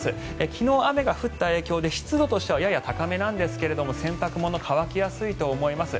昨日、雨が降った影響で湿度としてはやや高めなんですが洗濯物乾きやすいと思います。